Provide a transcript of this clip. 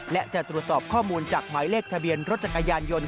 และจะตรวจสอบข้อมูลจากหมายเลขทะเบียนรถจักรยานยนต์